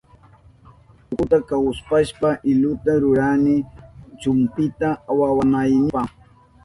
Utkuta kawpushpa iluta rurani chumpita awanaynipa.